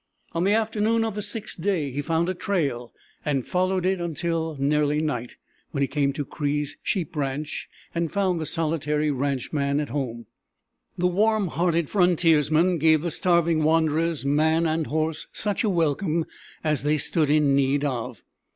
On the afternoon of the sixth day he found a trail and followed it until nearly night, when he came to Cree's sheep ranch, and found the solitary ranchman at home. The warm hearted frontiersman gave the starving wanderers, man and horse, such a welcome as they stood in need of.